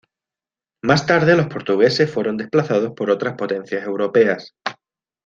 Más tarde, los portugueses fueron desplazados por otras potencias europeas.